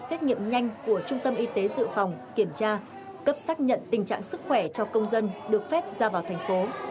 xét nghiệm nhanh của trung tâm y tế dự phòng kiểm tra cấp xác nhận tình trạng sức khỏe cho công dân được phép ra vào thành phố